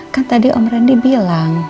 kan tadi om randy bilang